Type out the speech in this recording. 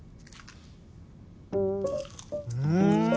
うん！